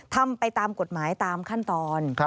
ทำไปตามกฎหมายตามขั้นตอน